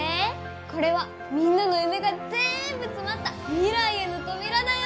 これはみんなの夢がぜんぶ詰まった未来への扉だよ！